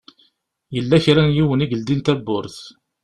Yella kra n yiwen i yeldin tawwurt.